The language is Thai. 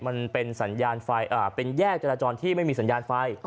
มันเป็นแยกจราจรที่ไม่มีสัญญาณไฟ